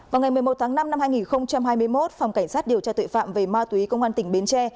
vào ngày một mươi một tháng năm năm hai nghìn hai mươi một phòng cảnh sát điều tra tội phạm về ma túy công an tỉnh bến tre